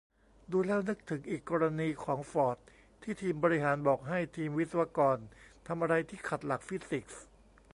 ดูแล้วนึกถึงอีกกรณีของฟอร์ด ที่ทีมบริหารบอกให้ทีมวิศวกรทำอะไรที่ขัดหลักฟิสิกส์